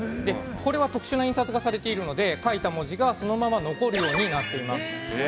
これは特殊な印刷がされているので、書いた文字がそのまま残るようになっています。